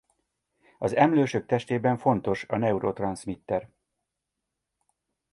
Az emlősök testében fontos neurotranszmitter.